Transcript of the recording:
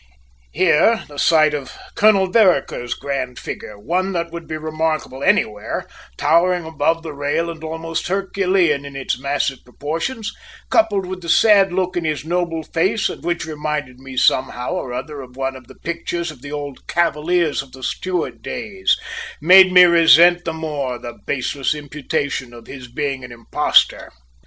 Here, the sight of Colonel Vereker's grand figure one that would be remarkable anywhere, towering above the rail and almost herculean in its massive proportions, coupled with the sad look in his noble face, and which reminded me somehow or other of one of the pictures of the old Cavaliers of the Stuart days, made me resent the more the baseless imputation of his being an imposter.